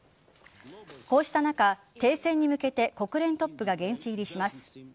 こうした中、停戦に向けて国連トップが現地入りします。